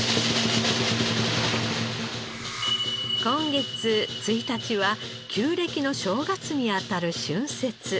今月１日は旧暦の正月にあたる春節。